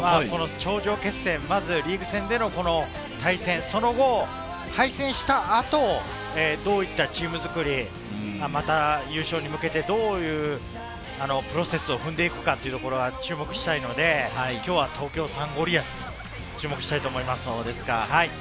この頂上決戦、まずはリーグ戦での対戦、その後、敗戦した後、どういったチームづくり、また優勝に向けてどういうプロセスを踏んでいくかというところが注目したいので、今日は東京サンゴリアス、注目したいと思います。